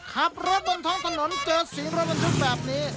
ขับรถบนท้องถนนเจอสิงรถบรรทุกแบบนี้